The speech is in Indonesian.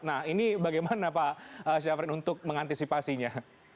nah ini bagaimana pak syafrin untuk mengantisipasinya